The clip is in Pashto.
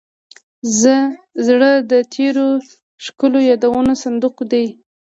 زړه د تېرو ښکلو یادونو صندوق دی.